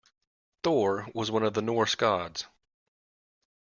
Thor was one of the Norse gods.